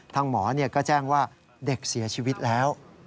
หมอก็แจ้งว่าเด็กเสียชีวิตแล้ว